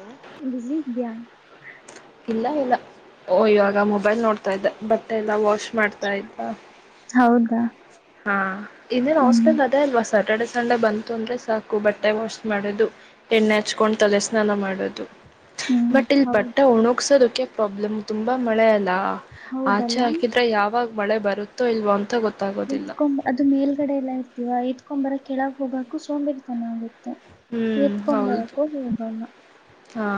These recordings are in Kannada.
ಹಲೋ ಬಿಜಿ ಇದ್ಯಾ ಇಲ್ಲ ಇಲ್ಲ ಓ ಇವಾಗ ಮೊಬೈಲ್ ನೋಡ್ತಾ ಇದ್ದ ಬಟ್ಟೆ ಎಲ್ಲ ವಾಶ್ ಮಾಡ್ತಾ ಇದ್ದ ಹೌದಾ ಹಾ ಇನ್ನೇನ್ ಹ್ಮ್ ಹಾಸ್ಟ್ಲಲ್ ಅದೇ ಅಲ್ವಾ ಸಟರ್ಡೇ ಸ ಸಂಡೆ ಬಂತು ಅಂದ್ರೆ ಸಾಕು ಬಟ್ಟೆ ವಾಶ್ ಮಾಡೋದು ಎಣ್ಣೆ ಹಚ್ಕೊಂಡು ತಲೆ ಸ್ನಾನ ಮಾಡದು ಹ್ಮ್ ಬಟ್ ಇಲ್ ಹೌದ್ ಬಟ್ಟೆ ಒಣಗ್ಸೋದಕ್ಕೆ ಪ್ರಾಬ್ಲಮ್ ತುಂಬಾ ಮಳೆ ಅಲ್ಲಾ ಆಚೆ ಹೌದಲ್ಲ ಹಾಕಿದ್ರೆ ಯಾವಾಗ ಮಳೆ ಬರುತ್ತೋ ಇಲ್ವೋ ಅಂತ ಗೊತ್ತಾಗ್ ಎತ್ಕೊಂಡ್ ಅದು ಮೇಲ್ಗಡೆ ಎಲ್ಲ ಐತಲ್ವ ಎತ್ಕೊಂಡ್ ಬರಕ್ ಕೆಳಗ್ ಹೋಗಕು ಸೋಂಬೇರ್ತನ ಆಗತ್ತೆ ಹ್ಮ್ ಹೌದು ಎತ್ಕೊಂಬರಕ್ಕೂ ಹೋಗಲ್ಲ [unintelligible] ಹಾ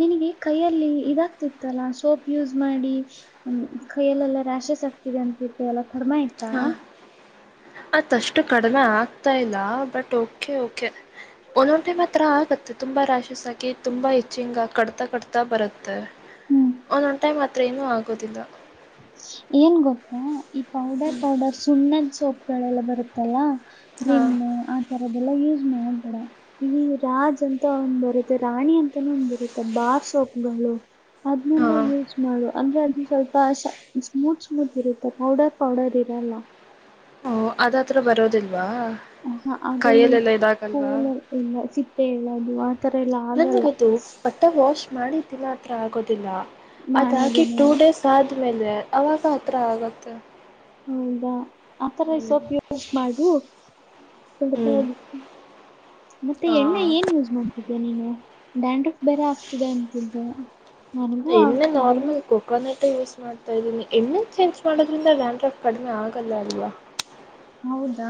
ನಿನಗೆ ಕೈಯಲ್ಲಿ ಇದಾಗ್ತಿತ್ತಲ್ಲಾ ಸೋಪ್ ಯೂಸ್ ಮಾಡಿ ಕೈಯಲ್ಲೆಲ್ಲ ರ್ಯಾ ಶೆಸ್ ಆಗ್ತಿದೆ ಅಂತಿರ್ತಿಯಲ್ಲ ಕಡ್ಮೆ ಆಯ್ತಾ ಅದ್ ಅಷ್ಟು ಕಡಿಮೆ ಆಗ್ತಾ ಇಲ್ಲ ಬಟ್ ಓಕೆ ಓಕೆ ಒಂದೊಂದ್ ಟೈಮ್ ಆತರ ಆಗತ್ ತುಂಬಾ ರಾಶ್ಯಸ್ಸಾಗಿ ತುಂಬಾ ಇಚ್ಚಿಂಗ್ ಕಡ್ತಾ ಕಡ್ತಾ ಬರತ್ತೆ ಹ್ಮ್ ಒನ್ನೊನ್ ಟೈಮ್ ಮಾತ್ರ ಏನು ಆಗೋದಿಲ್ಲ ಏನ್ ಗೊತ್ತಾ ಈ ಪೌಡರ್ ಪೌಡರ್ ಸುಣ್ಣದ್ ಸೋಪ್ಗಳೆಲ್ಲ ಬರುತ್ತಲ್ಲಾ ಹಾಂ ರಿಮ್ಮು ಆ ತರದ್ ಲ್ಲ ಯೂಸ್ ಮಾಡ್ಬೇಡ ಇಲ್ಲಿ ರಾಜ್ ಅಂತ ಒಂದ್ ಬರುತ್ತೆ ರಾಣಿ ಅಂತಾನು ಒಂದ್ ಬರುತ್ತೆ ಬಾರ್ ಸ್ ಸೊಪ್ಗಳು ಅದ್ನೆಲ್ಲ ಹಾಂ ಯೂಸ್ ಮಾಡು ಅಂದ್ರೆ ಅದ್ ಷ ಸ್ಮೂತ್ ಸ್ಮೂತ್ ಇರುತ್ತೆ ಪೌಡರ್ ಪೌಡರ್ ಇರಲ್ಲ ಓ ಅದಾತ್ರ ಬರೋದಿಲ್ಲ ವಾ ಹ ಅದ್ರಲ್ಲಿ ಕೈಯಲ್ಲೆಲ್ಲ ಇದಾಗಲ್ವಾ ಕೋಲ ಇಲ್ಲ ಸಿಪ್ಪೆ ಹೇಳೋದು ಆತರ ಎಲ್ಲ ಆಗಲ್ಲ ನನ್ಗದು ಬಟ್ಟೆ ವಾಶ್ ಮಾಡಿದ್ದಿನ ಆತರ ಆಗೋದು ಲ್ಲ ಅದಾಗಿದ್ ಮಾಣೆದಿನ ಟೂ ಡೇಸ್ ಆದ್ಮೇಲೆ ಅವಾಗ ಅತರ ಆಗತ್ತೆ ಹೌದಾ ಆತರ ಸೋಪು ಯೂಸ್ ಮಾಡು ಪ ಹ್ಞೂ [unintelligible] ಮತ್ತೆ ಎಣ್ಣ ಹಾಂ ಏನ್ ಯೂಸ್ ಮಾಡ್ತಿದ್ದೆ ನೀನು ಡ್ಯಾಂಡ್ರಫ್ ಬೇರೆ ಆಗ್ತಿದೆ ಅಂತಿದೆ ಎಣ್ಣೆ ನಾರ್ಮಲ್ ಕೊಕಾನೆಟ್ ಯೂಸ್ ಮಾಡ್ತಾ ಇದ್ದೀನಿ ಎಣ್ಣೆ ಚೇಂಜ್ ಮಾಡೋದಿಂದ ಡ್ಯಾಂಡ್ರಫ್ ಕಡಿಮೆ ಆಗಲ್ಲ ಅಲ್ವಾ ಹೌದಾ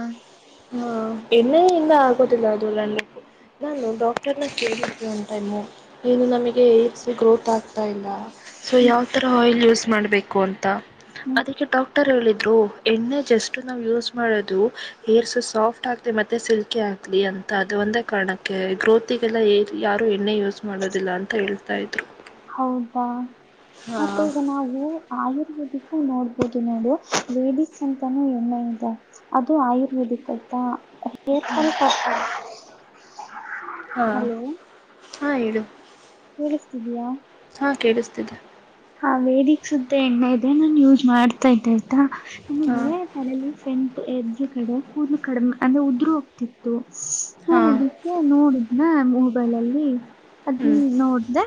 ಹಾ ಎಣ್ಣೆಯಿಂದ ಆಗೋದಿಲ್ಲ ಅದು ಡ್ಯಾಂಡ್ರಫ್ ನಾನು ಡಾಕ್ಟರ್ ನ ಟೈು ಏನು ನಮಗೆ ಏಜ ಗ್ರೋತ್ ಆಗ್ತಾ ಇಲ್ಲ [unintelligible] ಸೊ ಹ್ಮ್ ಯಾವ ತರ ಆಯಿಲ್ ಯೂಸ್ ಮಾಡ್ಬೇಕು ಅಂತ ಹ್ಮ್ ಅದಕ್ಕೆ ಡಾಕ್ಟರ್ ಹೇಳಿದ್ರು ಎಣ್ಣೆ ಜಸ್ಟ್ ನಾವು ಯೂಸ್ ಮಾಡೋದು ಏರ್ಸ್ ಸಾಫ್ಟ್ ಆಗ್ಲಿ ಮತ್ತೆ ಸಿಲ್ಕಿ ಆಗ್ಲಿ ಅಂತ ಅದು ಒಂದೇ ಕಾರಣಕ್ಕೆ ಗ್ರೋತಿಗೆಲ್ಲ ಯಾರು ಇನ್ನೇ [unintelligible] ಯೂಸ್ ಮಾಡೋದಿಲ್ಲ ಅಂತ ಹೇಳ್ತಾ ಇದ್ರು ಹೌದಾ ಹಾ ಮತ್ತೆ ಈಗ ನಾವು ಆಯುರ್ವೇದಿಕ್ ನೋಡ್ಬೋದು ನೋಡು ವೇದಿಕ್ ಅಂತಾನೂ ಎಮ್ಮೆ ಇದೆ ಅದು ಆಯುರ್ವೇದಿಕ್ ಅಂತ ಹಾ ಹಲೋ [inaudible] ಹಾ ಹೇಳು ಕೆಲ್ಯಾಸ್ತಿದ್ಯಾ ದೆ [inaudible] ಹಾ ವೇದಕ್ ಸುದ್ದ ಎಣ್ಣೆ ಇದೆ ನಾನ್ ಯೂಸ್ ಮಾಡ್ತಾ ಇದ್ದೆ ಆಯ್ತಾ ಹಾ ನಮಗೆ ತಲೆಯಲ್ಲಿ ಸೆಂಟು ಎದ್ ಕಡೆ ಕೂದಲು ಕಡೆ ಅಂದ್ರೆ ಉದ್ರ ಹೋಗ್ತಿತ್ತು [unintelligible] ಹಾ ನಾನದಕ್ಕೆ ನೋಡಿದ್ನ ಮೊಬೈಲ ಅಲ್ಲಿ ಅದ ಹ್ಮ್ ನೋಡ್ದೆ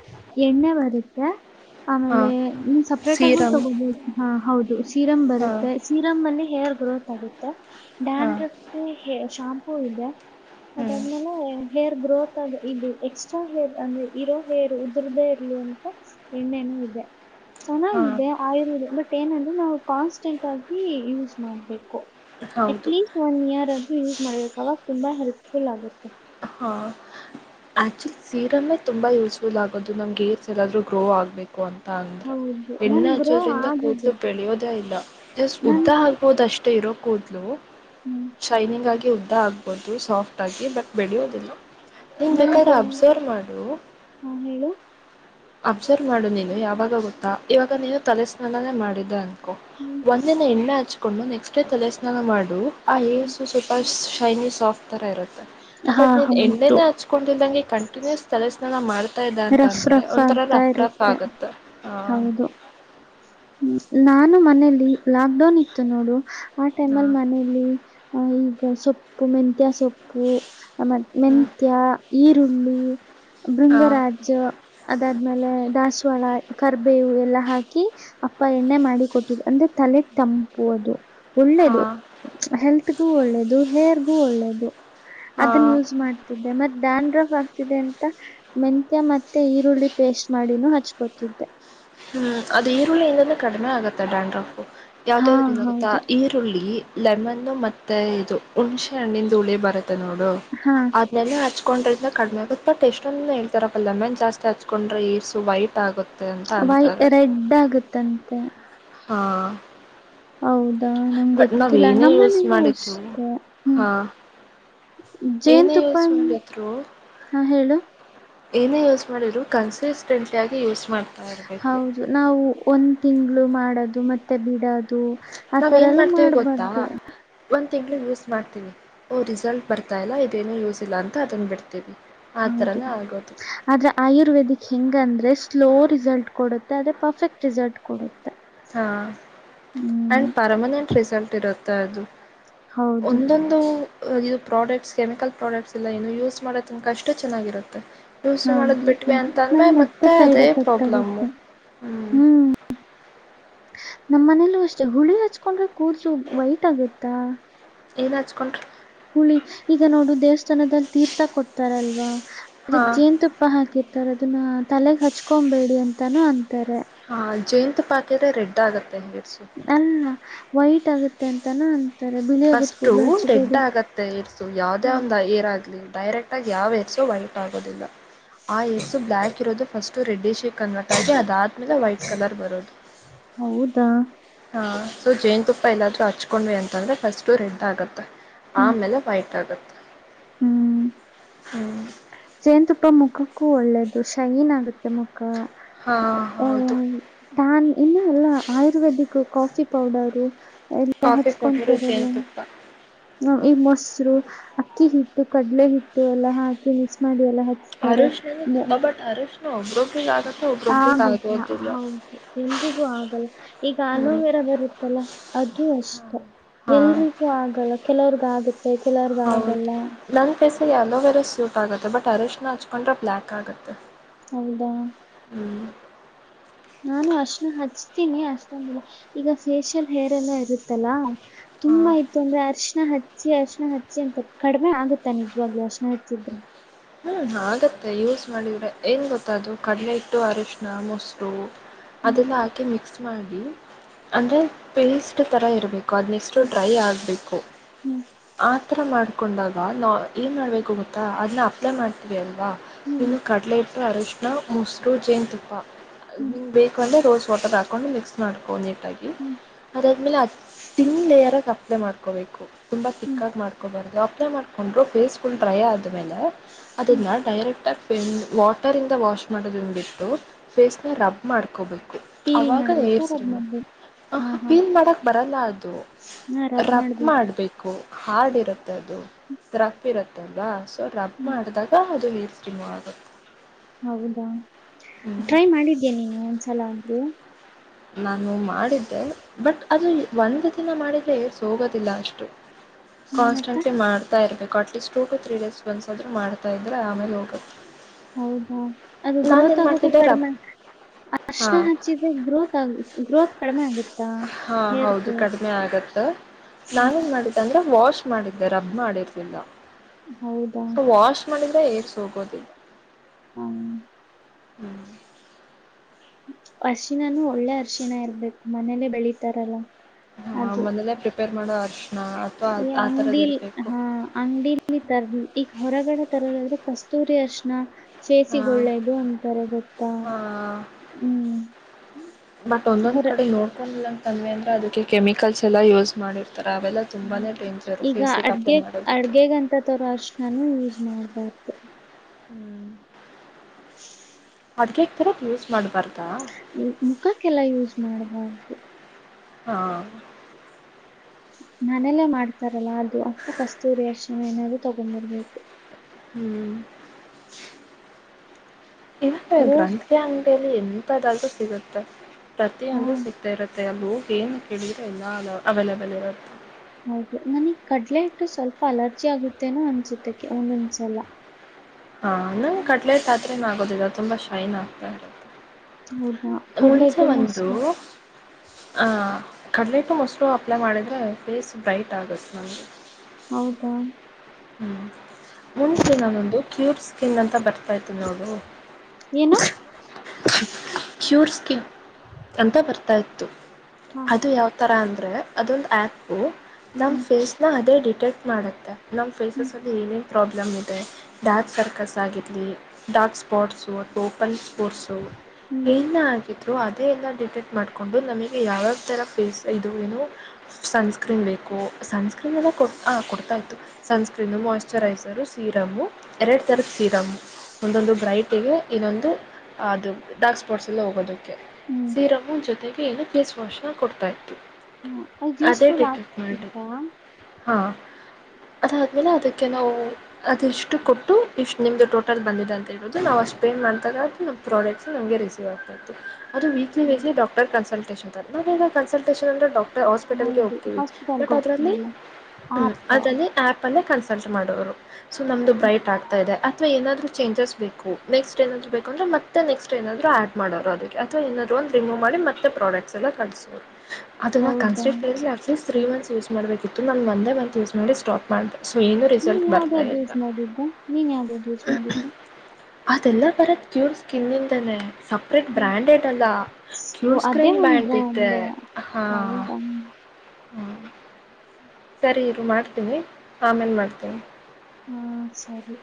ಎಣ್ಣೆ ಬರುತ್ತೆ ಹಾ ಆಮೇಲೆ ಸಪ್ರೇಟ್ ಆಗ ತಗ ಸೀರಮ್ ಬಹುದು ಹೌದು ಸೀರಂ ಹಾ ಬರುತ್ತೆ ಸೀರಮ್ ಅಲ್ಲಿ ಹೇರ್ ಗ್ರೋತ್ ಆಗುತ್ತೆ ಹಾ ಬ್ಯಾಂಡ್ರಫ್ ಶಾಂಪ್ ೂೋಗಿದ್ದ ಹ್ಮ್ ಮದಾದ್ಮೇಲೆ [unintelligible] ಹೇರ್ ಗ್ರೋತ್ ಆಗ ಇದು ಎಕ್ಸ್ಟ್ರಾ ಹೇರ್ ಅಂದ್ರೆ ಇರೋ ಹೇರ್ ಉದುರದೇ ಇರ್ಲಿ ಅಂತ ಎಣ್ಣೆನ್ ಹೌದೇ ಹಾ ಚೆನ್ನಾಗಿದೆ ಆಯಿಲ್ ಬಟ್ ಏನಂದ್ರೆ ನಾವು ಕಾನ್ಸ್ಟೆಂಟ್ ಆಗಿ ಯೂಸ್ ಮಾಡ್ಬೇಕು ಹೌದು ಅಟ್ಲೀಸ್ಟ್ ಒನ್ ಇಯರ್ ಆದ್ರೂ ಯೂಸ್ ಮಾಡ್ಬೇಕು ಅವಾಗ ತುಂಬಾ ಹೆಲ್ಪ್ಫುಲ್ ಆಗುತ್ತೆ ಹಾ ಆಕ್ಚುಲಿ ಸೀರಮೇ ತುಂಬಾ ಯೂಸ್ಫುಲ್ ಆಗೋದು ನಮ್ಗೆ ಹೇರ್ಸ್ ಎಲ್ಲಾದ್ರೂ ಗ್ರೋ ಆಗ್ಬೇಕು ಕೊಂತಾಂದ್ರ ಹೌದು ನನ್ ಎಣ್ಣೆ ಗ್ರೋ ಹಚ್ಚೋದ್ರಿಂದ ಆಗಿದೆ ಕೂದಲು ಬೆಳೆಯೋದೇ ಇಲ್ಲ ನನ್ ಉದ್ದ ಆಗ್ಬೋದಷ್ಟೇ ಇರೋ ಕೂದ್ಲು ಹ್ಮ್. ಶೈನಿಂಗ್ ಆಗಿ ಉದ್ದ ಆಗ್ಬಹುದು ಸಾಫ್ಟ್ ಆಗಿ ಬಟ್ ಬೆಳೆಯೋದಿಲ್ಲ ನೀನ್ ನನ್ ಬೇಕಾದ್ರೆ ಅಬ್ಸರ್ವ್ ಮಾಡು ಹಾ, ಹೇಳು ಅಬ್ಸರ್ವ್ ಮಾಡು ನೀನು ಯಾವಾಗ ಗೊತ್ತಾ ಇವಾಗ ನೀನು ತಲೆ ಸ್ನಾನಾನೇ ಮಾಡಿದೆ ಅಂತ ಹ್ಮ್. ಒಂದಿನ ಎಣ್ಣೆ ಹಚ್ಕೊಂಡು ನೆಕ್ಸ್ಟ್ ಡೇ ತಲೆಸ್ನಾನ ಮಾಡು ಆ ಸು ಸ್ವಲ್ಪ ಶೈನಿ ಸಾಫ್ಟ್ ತರ ಇರುತ್ತೆ ಹಾ ಬಟ್ ನೀನ್ ಹೌದು ಎಣ್ಣೆನ ಹಚ್ಕೊಂಡಲ್ದಂಗೆ ಕಂಟಿನ್ಯೂಸ್ ತಲನ ಮಾಡ್ತಾ ಇದ್ದ ಅಂತ ರಫ್ ಅಂದ್ರೆ ಒ ರಫ್ ಆಗ್ತಾ ರಫ್ ರಫ್ ಇರುತ್ತೆ ಆಗುತ್ತ ಹ ಹೌದು ನಾನು ಮನಲಿ ಲಾಕ್ ಡೌನ್ ಇತ್ತು ನೋಡು ಆ ಟೈಮ್ ಅಲ್ಲಿ ಹಾಂ ಮನೇೆಯಲ್ಲಿ ಆ ಈಗ ಸೊಪ್ಪು ಮೆಂತ್ಯಿಯ ಸೊಪ್ಪು ಉಪ್ಪು ಆ ಮ ಹ್ಞೂ ಮೆಂತ್ಯ ಈರುಳ್ಳಿ ಹಾಂ ಭೃಂಗರಾಜು ಅದಾದ್ಮೇಲೆ ದಾಸವಾಳ ಕರ್ಬೇವು ಎಲ್ಲಾ ಹಾಕಿ ಅಪ್ಪ ಎಣ್ಣೆ ಮಾಡಿ ಕೊಟ್ಟಿದ್ ಅಂದ್ರೆ ತಲೆ ತಂಪು ಅದು ಒಳ್ಳೇದು ಹಾಂ ಹೆಲ್ತ್ಗೂ ಒಳ್ಳೇದು ಹೇರ್ಗೂ ಒಳ್ಳೇದು ಅದನ್ನ ಹಾಂ ಯೂಸ್ ಮಾಡ್ತಿದ್ದೆ ಮತ್ತೆ ದದ್ರಫ್ ಫ್ ಆಗ್ತಿದೆ ಅಂತ ಮೆಂತ್ಯ ಮತ್ತೆ ಈರುಳ್ಳಿ ಪೇೇಶಟ್ ಮಾಡಿನೂ ಹಚ್ಕೊತಿದ್ದೆ ಹ್ಮ್ ಅದ ಈರುಳ್ಳಿಯಿಂದನ ಕಡಿಮೆ ಆಗತ್ತೆ ಡ್ಯಾಂಡ್ರಫು ಹಾ ಯಾವ್ದಾವಾದ್ರಿಂದ ಅತಾ ಹೌದು ಈರುಳ್ಳಿ ಲೆಮನ್ ಮತ್ತೆ ಇದು ಹುಣ್ಸೆ ಹಣ್ಣಂದು ಹುಳಿಯ ಬರುತ್ತೆ ನೋಡು ಹಾ ಅದನೆೆಲ್ಲ ಹಚ್ಕೊಂಡ್ರ ಕಡಿಮೆ ಆಗುತ್ತೆ ಬಟ್ ಎಷ್ಟೊಂದು ಹೇಳ್ತಾರಪ್ಪ ಆಮ್ಯಾಲ್ ಜಾಸ್ತಿ ಹಚ್ಕೊಂಡ್ರೆ ಎರ್ಸು ವೈಟ್ ಆಗುತ್ತೆ ಅಂತ ವೈಟ್ ಅಂತಾರೆ ರೆಡ್ ಆಗತ್ತಂತೆ ಹಾ ನಂಗ್ ಬಟ್ ನಾವ ಗೊತ್ತಿಲ್ಲ ಏನೇ ಯೂಸ್ ನಮ್ಮನೇಲೂ ಮಾಡಿದವಿ ಅಷ್ಟೇ ಹ್ಮ್ ಹಾ ಏನೇ ಜೇನ್ತುಪ್ಪ ಯೂಸ ಮಾಡಿದ್ರು ಹಾ ಹೇಳು ಏನೇ ಯೂಸ್ ಮಾಡಿದ್ರು ಕನ್ಸಿಸ್ಟೆಂಟ್ ಆಗ ಯೂಸ್ ಮಾಡ್ತಾ ಇರಬೇಕು ಹೌದು ನಾವು ಒಂದ್ ತಿಂಗ್ಗಳು ಮಾಡದು ಮತ್ತೆ ಬಿಡದು ನಾವ್ ಆತರ ಎಲ್ಲ ಮಾಡ್ಬಾರ್ದು ತಿಂಗಳಿಗೆ ಯೂಸ್ ಮಾಡ್ತೀವಿ ಓಹ ರಿಸಲ್ಟ್ ಬರ್ತಾ ಇಲ್ಲ ಇದೇನೂ ಯೂಸ್ ಇಲ್ಲ ಅಂತ ಅದನ್ನು ಬಿಡ್ತೀವಿ ಆ ಹೌದು ತರನ ಆಗೋದು ಆದ್ರೆ ಆಯುರ್ವೇದಿಕ್ ಹೆಂಗಂದ್ರೆ ಸ್ಲೋ ರಿಸಲ್ಟ್ ಕೊಡುತ್ತೆ ಆದ್ರೆ ಪರ್ಫೆಕ್ಟ್ ರಿಸಲ್ಟ್ ಕೊಡುತ್ತ ಹಾ ಅಂಡ್ ಪರ್ಮನೆಂಟ್ ರಿಸಲ್ಟ್ ಇರುತ್ತೆ ಅದು ಹೌದು ಒಂದೊಂದು ಇದು ಪ್ರಾಡಕ್ಟ್ಸ್ ಕೆಮಿಕಲ್ ಪ್ರಾಡಕ್ಟ್ಸ್ ಎಲ್ಲ ಏನ ಯೂಸ್ ಮಾಡೋ ತನಕ ಅಷ್ಟೇ ಚೆನ್ನಾಗಿರುತ್ತೆ ಯೂಸ್ ಮಾಡದು ಹೌದು ಬಿಟ್ವಿ ಅಂತಂದ್ರೆ ನನ್ ಮತ್ತೆ ಸೈಡ್ ಅದೇ ಎಫೆಕ್ಟ್ ಪ್ರಾಬ್ಲಮ್ಮು ಆಗುತ್ತೆ ಹ್ಮ್ ನಮ್ಮ್ ಮನೇಲ್ಲೂ ಅಷ್ಟೆ ಹುಳಿ ಹಚ್ಕೊಂಡ್ರೆ ಕೂದಲು ವೈಟ್ ಆಗತ್ತಾ ಏನ್ ಹಚ್ಕೊಂಡ್ರಿ ಹುಳಿ ಈಗ ನೋಡು ದೇವಸ್ಥಾನದಲ್ಲಿ ತೀರ್ಥ ಕೊಡ್ತಾರಲ್ವಾ ಹಾ ಅದಕ್ ಜೇನ ತುಪ್ಪ ಹಾಕಿ ಹತಾರ ಅದನ್ನ ತಲೆಗ್ ಹಚ್ಕೊಬೇಡಿ ಅಂತಾನೂ ಅಂತಾರೆ ಹಾ ಜೇನ ತುಪ್ಪ ಹಾಕಿದ್ರೆ ರೆಡ್ ಆಗತ್ತೆ ಮೆಬಿ ಅಲ್ಲ ವೈಟ್ ಆಗುತ್ತೆ ಅಂತಾನ ಫಸ್ಟು ರೆಡ್ ಆಗತ್ತೆ ಇರ್ಸು ಯಾವ್ದೇ ಹ ಒಂದ ಏರ್ ಆಗ್ಲಿ ಡೈರೆಕ್ಟ್ ಆಗಿ ಯಾವ ಹೇರ್ಸು ವೈಟ್ ಆಗೋದಿಲ್ಲ ಆ ಹೇರ್ಸು ಬ್ಲ್ಲಾಕ್ ಇರೋದು ಫಸ್ಟ್ ರೆಡ್ಡಿ ಶೇಡ್ ಕನ್ವರ್ಟ್ ಆಗಿ ಅದಾದ್ಮೇಲೆ ವೈಟ್ ಕಲರ್ ಬರೋದು ಹೌದಾ ಹಾಂ ಸೊ ಜೇನುತುಪ್ಪ ಎಲ್ಲಾದರೂ ಹಚ್ಕೊಂಡ್ವಿ ಅಂತಂದರೆ ಫಸ್ಟು ರೆಡ್ ಆಗುತ್ತೆ. ಹ್ಮ್ ಆಮೇಲೆ ವೈಟ್ ಆಗುತ್ತೆ. ಹ್ಮ್ ಜೇನ್ ತುಪ್ಪ ಮುಖ ಮುಕ್ಕು ಒಳ್ಳೇದು ಶೈನ್ ಆಗುತ್ತೆ ಮುಕ್ಕ ಹಾ ಕ್ಕ ಹೌದು ಟ್ಯಾನ್ ಇನ್ನು ಎಲ್ಲ ಆಯುರ್ವೇದಿಕ್ ಕಾಫಿ ಪೌಡರು ಎಲ್ಲ ಕಾಫಿ ಪೌಡರು ಹಚ್ಕೊತಾರಲ್ಲ ಜೇನುತುಪ್ಪ ಹ ಈ ಮೊಸರು ಅಕ್ಕಿ ಹಿಟ್ಟು ಕಡ್ಲೆ ಹಿಟ್ಟು ಎಲ್ಲ ಹಾಕಿ ಮಿಕ್ಸ್ ಮಾಡಿ ಎಲ್ಲ ಹಚ್ತಾರೆ. ಅರಶಿನ ತುಂಬಾ ಬಟ್ ಅರಶಿನ ಒಬ್ರೊಬ್ರಿಗೆ ಆಗತ್ತೆ ಆಗ ಒಬ್ರೊಬ್ರಿಗೆ ಆಗೋದಿಲ್ಲ ಹೌದು ಎಲ್ಲರಿಗೂ ಆಗಲ್ಲ ಈಗ ಹ್ಮ್ ಅಲೋವೇರಾ ಬ ಬರುತ್ತಲ್ಲ ಅದು ಅಷ್ಟ ಹಾ ಎಲ್ರಿಗೂ ಆಗಲ್ಲ ಕೆಲವರಿಗೆ ಆಗುತ್ತ ಕೆಲವರಗ ಆಗಲ್ಲ ಅಲೋವೇರಾ ಸೂಟ್ ಆಗುತ್ತೆ ಬಟ್ ಅರಿಶಿನ ಹಚ್ಕೊಂಡ್ರೆ ಬ್ಲ್ಯಾಕ್ ಆಗುತ್ತೆ ಹೌದಾ ಹ್ಮ್ ನಾನು ಅರಿಸಿನ ಹಚ್ತೀನಿ ಅಷ್ಟಂದ ಇಲ್ಲ ಈಗ ಫೇಶಿಯಲ್ ಹೇರ್ ಎಲ್ಲ ಇರುತ್ತಲ್ಲಾ. ತುಂಬ ಹಾಂ ಆಯ್ತು ಅಂದ್ರೆ ಅರಶಿಣ ಹತ ಹಚ್ಚಿ ಅರಿಸಿನ ಹಚ್ಚಿ ಅಂತ ಕಡಿಮೆ ಆಗುತ್ತಾ ನಿಜವಾಗ್ಲು ಅರಿಸಿನ ಹಚ್ಚಿದ್ರೆ ಹ್ಮ್ ಆಗತ್ತೆ ಯೂಸ್ ಮಾಡಿದ್ರೆ ಏನ್ ಗೊತ್ತ ಅದು ಕಡಲೆ ಹಿಟ್ಟು ಅರಶಿನ ಮೊಸರು ಹ್ಮ್ ಅದೆಲ್ಲ ಹಾಕಿ ಮಿಕ್ಸ್ ಮಾಡಿ ಅಂದ್ರೆ ಪೇಸ್ಟ್ ತರ ಇರ್ಬೇಕು. ಅದನ್ನೆಷ್ಟು ಹ್ಮ್ ಡ್ರೈ ಆಗಬೇಕು ಹ್ಮ್ ಆಥರ ಮಾಡ್ಕೊಂಡ ಗಾ ನಾ ಏನ್ ಮಾಡ್ಬೇಕು ಗೊತ್ತಾ ಅದನ್ನ ಅಪ್ಲೈ ಮಾಡ್ತೀವಿ ಅಲ್ವಾ ಹ್ಮ್ ಇನ್ನು ಕಡಲೆ ಹಿಟ್ಟು ಅರಿಸಿನಾ ಮೊಸರು ಜೇನತುಪ್ಪಾ. ಹ್ಮ್ ನಿಂಗ ಬೇಕಂದ್ರೆ ರೋಸ್ ವಾಟರ್ ಹಾಕೊಂಡು ಮಿಕ್ಸ್ ಮಾಡ್ಕೊಂಡ ಹ್ಮ್ ಅದಾದ್ಮೇಲೆ ಅ ತಿನ ಲೇಯರಾಗಿ ಅಪ್ಲೈ ಮಾಡ್ಕೋಬೇಕು. ತುಂಬ ಹ್ಮ್ ತಿಕ್ಕಾಗಿ ಮಾಡ್ಕೊಬಾರ್ದು ಅಪ್ಲೈ ಮಾಡ್ಕೊಂಡ್ರು ಫೇಸ್ ಫುಲ್ ಡ್ರೈ ಆದಮೇಲೆ ಹ್ಮ್ ಅದನ್ನ ಡೈರಕ್ಟ ಪೆನ್ ವಾಟರಿಂದ ವಾಷ್ ಮಾಡೋದನ್ನುಬಿಟ್ಟು ಫೇಸ್ನ ರಬ್ ಮಾಡ್ಕೋಬೇಕು ಟೀಲ್ ಅವಾಗ ಮಾಡ್ಬೇಕಾ ಹೇರ್ಸ್ ರಬ್ ರಿಮೋವ್ ಮಾಡ್ಬೇಕು ಮಾಡಕ್ ಹಾ ಹಹಾ ಹಾ ಪೀನ್ ಮಾಡಕ್ ಬರಲ್ಲ ಅದು. ಹಾ ರಬ್ ಮಾಡ್ಬೇಕು ಮಾಡಬೇಕು ಹಾರ್ಡ್ ಇರುತ್ತೆದು ರಫ ಇರುತ್ತಲ್ವಾ ಸೊ ರಬ್ ಹ್ಮ್ ಅದಾಗ ಅದು ಹೇರ್ಸ್ ರಿಮೂವ್ ಆಗ ಹೌದಾ ಟ್ರೈ ಮಾಡಿದ್ದೆ ನೀನು ಒಂದ್ಸಲ ಆದ್ರೂ. ನಾನು ಮಾಡಿದ್ದೆ ಬಟ್ ಅದು ಒಂದು ದಿನ ಮಾಡಿದ್ರೆ ಹೇರ್ಸ್ ಹೋಗೋದಿಲ್ಲ ಅಷ್ಟು. ಹ್ಮ್ ಮತ್ತೆ ಕಾನ್ಸ್ಟೆಂಟ್ಲಿ ಮಾಡ್ತಾ ಇರ್ಬೇಕು ಅ ಜಸ್ಟ್ ಟು ತ್ರೀ ಡೇಸ್ ಬಂದ್ಸಾದ್ರ ಮಾಡ್ತಾ ಇದ್ರೆ ಆಮೇಲೆ ಹೋಗುತ್ತೆ. ಹೌದಾ ಅದು ಗ್ರೋತ್ ನಾನೇನ್ ಆಗದ ಮಾಡ್ತಿದ್ದೆ ರಬ್ ಕಡಿಮೆ. ಹಾ ಅರಶಿಣ ಹಚ್ಚಿದ್ರೆ ಗ್ರೋತ್ ಆಗ ಗ್ರೋತ್ ಕಡಿಮೆ ಆಗುತ್ತಾ ಹಾ ಹೌದು ಹೈರ್ದ ಕಡಿಮೆ ಆಗತ್ತೆ ನಾನೇನ್ ಮಾಡಿದ್ದೆ ಅಂದ್ರೆ ವಾಶ್ ಮಾಡಿದ್ದೆ ರಬ್ ಮಾಡಿರ್ಲಿಲ್ಲ. ಹೌದಾ ಸೊ ವಾಶ್ ಮಾಡಿದ್ರೆ ಹೇರ್ಸ್ ಹೋಗೋದು. ಹ ಹ್ಮ್ ಅರಿಶಿನ ನು ಒಳ್ಳೆ ಅರಿಶಿನ ಇರ್ಬೇಕು ಮನೇಲ್ಲೇ ಬೆಳಿತಾರಲ್ಲ. ಹಾ ಅದು ಮನೇಲೆೇ ಪ್ರಿಪೇರ್ ಮಾಡು ಅರಿಶಿ ಈ ಅಂಗಡಿಲಿ ಹಾ ಅಂಗಡಲಿ ತರಲಿ ಈಗ ಹೊರಗಡೆ ತರದದ್ರೆ. ಕಸ್ತೂರಿ ಅರಿಶಿಣ ಚೇಸಿಗ ಒಳ್ಳೇದು ಅಂತಾರೆ ಗೊತ್ತಾ ಹ್ಮ್. ಬಟ್ ಒಂದೊಂದ್ ಹೊರ ಕಡೆ ನೋಡ್ಕೊಂಡಿಲ್ಲ ಅಂತಂದ್ವಿ ಅಂದ್ರೆ ಅದಕ್ಕೆ ಕೆಮಿಕಲ್ಸ್ ಎಲ್ಲಾ ಯೂಸ್ ಮಾಡಿರ್ ಈಗ ಅಪ್ಲೈ ಅಡ್ಗೆ ಮಾಡೋದಕ್ಕೆ ಅಡ್ಗೆಗಂತ ತರ ಅರಶ ನಾನು ಯೂಸ್ ಮಾಡ್ಬಾರ್ದು. ಅಡ್ಗೆಕ್ ತರದ ಯೂಸ್ ಮಾಡಬಾರ್ದ. ಮುಖಕ್ಕೆಲ್ಲ ಯೂಸ್ ಮಾಡಬಾರ್ದು. ಹಾ ಮನೆಲ್ಲೇ ಮಾಡ್ತಾರಲ್ಲ ಅದು ಅಥವಾ ಕಸ್ತೂರಿ ಆರ್ಸಿನ ಏನಾದ್ರು ತಗೊಂಡ್ಬರ್ಬೇಕು. ಹ್ಮ್ [unintelligible] ಇಂದ ರೋಸ್ ಗಧುಗೆ ಅಂಗಿಯಲ್ಲಿ ಎಂಥಾದಾದ್ರೂ ಸಿಗುತ್ತೆ ಹಾ ಪ್ರತಿಯೊಂದು ಸಿಗ್ತಾ ಇರುತ್ತೆ. ಆಲ್ ಹೋಗಿ ಏನ್ ಕೇಳಿದ್ರ ಎಲ್ಲ ಅವೈಲಬಲ್ ಇರುತ್ತೆ. ಹೌದು ನನಗ್ ಕಡ್ಲೆ ಇಟ್ಟು ಸ್ವಲ್ಪ ಅಲರ್ಜಿ ಆಗುತ್ತೇನೋ ಅನ್ಸುತ್ತಕ್ಕೆ ಒಂದೊಂದ್ಸಲ. ಹಾ ಕಡ್ಲೆಹಿಟ್ ಹಾತ್ರೆನ ಆಗೋದಿಲ್ಲ ತುಂಬಾ ಶೈನ್ ಆಗುತ್ತೆ. ಹೌದಾ ಕಡ್ಲೆ ಮುಂಚೆ ಹಿಟ್ಟು ಒಂದು. ಮೊಸರು ಆ ಕಡ್ಲೆಟು ಮೊಸ್ರು ಅಪ್ಲೈ ಮಾಡಿದ್ರೆ ಫೇಸ್ ಬ್ರೈಟ್ ಆಗುತ್ತೆ ನಮಗೆ. ಹೌದಾ. ಹ್ಮ್ ಮುಂಚೆ ನಾನೊಂದು ಕ್ಯೂರ್ ಸ್ಕಿನ್ ಅಂತ ಬರ್ತಾ ಇತ್ತು ನೋಡು. ಏನು ಕ್ಯೂರ್ ಅಂತ ಬರ್ತಾ ಇತ್ತು ಹಾ ಅದು ಯಾವತರ ಅ ಅಂದ್ರೆ ಅದೊಂದು ಆ್ಯಪು ನಮ್ಮ ಹ್ಮ್ ಫೇಸ್ನ ಅದೇ ಡಿಟೆಕ್ಟ್ ಮಾಡುತ್ತೆ. ನಮ್ ಫೇಸಸ್ ಅಲ್ಲಿ ಏನೇನ್ ಪ್ರೊಬ್ಲಮ್ ಇದೆ. ಡಾರ್ಕ್ ಸರ್ಕಸ್ ಆಗಿರಲಿ ಡಾರ್ಕ್ ಸ್ಪಾಟ್ಸು ಅಥವಾ ಓಪನ್ ಸ್ಪೋರ್ಟ್ಸು. ಹ್ಮ್ ಏನ್ ಆಗ ಅದೇಲ್ಲ ಡಿಟೆಕ್ಟ್ ಮಾಡಕೊಂಡು ನಮಗೆ ಯಾವ್ಯಾವ ತರ ಫೇಸ್ ಇದು ಏನು ಸನ್ಸ್ಕ್ರೀನ್ ಬೇಕು ಸನ್ಸ್ಕ್ರೀನ್ ಎಲ್ಲ ಕೊ ಆ ಕೊಡ್ತಾ ಇತ್ತು. ಸನ್ಸ್ಕ್ರೀನು ಮಾಯ್ಚರೈಸರು ಸೀರಮು ಎರಡು ಥರದ ಸೀರಮು. ಒಂದೊಂದು ಬ್ರೈಟಿಗೆ ಇನ್ನೊಂದು ಅದು ಡಾರ್ಕ್ ಸ್ಪಾಟ್ಸ್ ಎಲ್ಲ ಹೋಗೋದು. ಓಕೆ ಹ್ಮ್ ಸೀರಮು ಜೊತೆಗೆ ಏನು ಫೇಸ್ ವಾಶ್ನ ಕೊಡ್ತಾರೆ ಹ್ಮ್ ಹ ಅದೇ ಯೂಸ್ಫುಲ್ ಡಿಟೆಕ್ಟ್ ಮಾಡಿ. ಆಗ್ತಿತ್ತಾ ಅದಾದ್ಮೇಲೆ ಅದಕ್ಕೆ ನಾವು ಅದುಷ್ಟು ಕೊಟ್ಟು ಇಷ್ಟು ನಿಮ್ದಗೆ ಟೋಟಲ್ ಬಂದಿದೆ ಅಂತ ಹೇಳ್ಬೋದು ನಾವು ಅಷ್ಟು ಪೇನ್ ಮಾಡಿದಾಗ ನಮ್ಮ ಪ್ರಾಡಕ್ಟ್ಸ್ ನಮಗೆ ರಿಸೀವ್ ಆಗ್ತದೆ ಅದು ವೀಕ್ಲಿ ವೇಸ್ಲಿ ಡಾಕ್ಟರ್ ಕನ್ಸಲ್ಟೇಷನ್ ಈಗ ಕನ್ಸಲ್ಟೇನ್ಂದ್ರೆಡಕ್ಟರ್ ಹಾಸ್ಪಿಟಲ್ಗೆ ಹೋಗ್ತೀವಿ ಬಟ್ ಆತ ಆಪ್ ಅೇ ಕನ್ಸಲ್ಟ್ ಮಾಡೋರು ಸೊ ನಮ್ದು ಬ್ರೈಟ್ ಆಗ್ತಾ ಇದೆ ಅಥವಾ ಏನಾದ್ರು ಚೇಜಸ್ ಬೇಕ ನೆಕ್ಸ್ಟ್ ಏನಾದ್ರು ಬೇಕಂದ್ರೆ ಮತ್ತೆ ನೆಕ್ಸ್ಟ್ ಏನಾದರುೂ ಆಡ್ ಮಾಡೋ ಅದ ಅಥವಾ ಏಾದ್ರು ರಿಮೂವ್ ಮಾಡಿ ಮತ್ತೆ ಪ್ರಾಡಕ್ಟ್ಸ್ ಎಲ್ಲ ಕಿಸುದು ಅದನ್ನ ಹೌದಾ ಕನ್ಸ್ಟಿಸ್ಟ್ ತ್ರೀ ಮತ್ಸ್ ಯೂಸ್ ಮಾಡಬೇಕಿತ್ತು ನಾನು ಒಂದೇ ಮತ್ ಯೂಸ್ ಮಾಡಿ ಸ್ಟಾಪ್ ಮಾಡ ಸೊ ಏನು ರಿಸಲ್ಟ್ ನೀನ್ ಬರ್ತಾ ಯಾವ್ದಾವ್ದು ಇತ್ತ ಯೂಸ್ [inaudible] ಮಾಡಿದ್ದೆ ನೀನ್ ಯಾವ್ದಾವ್ದು ಯೂಸ್ ಮಾಡಿದ್ದೆ ಅದೆಲ್ಲ ಬರತ್ ಕ್ಯೂರ್ ಸ್ಕಿನಿದಾನೆ ದಾನನೆ ಸಪ್ರೇಟ್ ಹ್ಮ್ ಬ್ರ್ಯಾಂಡೆಡ್ ಅಲ್ಲ ಓ ಕ್ಲೂರ್ ಅದೇ ಸ್ಕ್ರೀನ್ ಒಂದ ಬ್ಯಾಣತತೆ ಒಂದ ಹಾ ಹೌದಾ ಹ್ಞ ಸರಿ ಇರು ಮಾಡ್ತೀನಿ ಆಮೇಲೆ ಮಾಡ್ತೀನಿ ಹಾ ಸರಿ